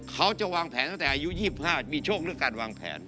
เขาจะวางแผนตั้งแต่อายุ๒๕มีโชคเรื่องการวางแผน